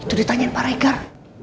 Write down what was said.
itu ditanyain pak regar